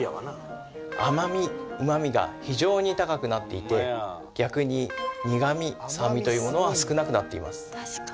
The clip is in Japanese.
甘味うま味が非常に高くなっていて逆に苦味酸味というものは少なくなっています